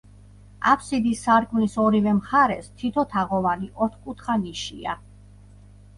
აფსიდის სარკმლის ორივე მხარეს თითო თაღოვანი, ოთხკუთხა ნიშია.